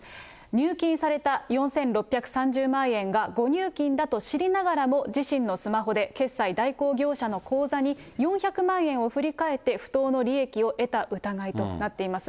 入金された４６３０万円が誤入金だと知りながらも、自身のスマホで決済代行業者の口座に４００万円を振り替えて不当の利益を得た疑いとなっています。